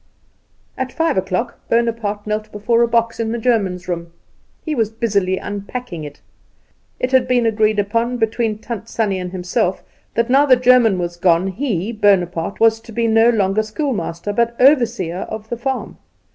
At five o'clock Bonaparte knelt before a box in the German's room. He was busily unpacking it. It had been agreed upon between Tant Sannie and himself, that now the German was gone he, Bonaparte, was to be no longer schoolmaster, but overseer of the farm.